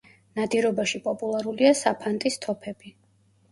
ნადირობაში პოპულარულია საფანტის თოფები.